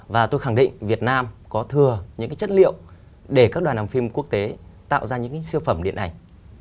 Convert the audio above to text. và tôi khẳng định việt nam có thừa những chất liệu để các đoàn làm phim quốc tế tạo ra những cái siêu phẩm điện ảnh